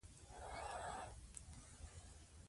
تعلیم لرونکې میندې د ماشومانو د خوړو خرابوالی مخنیوی کوي.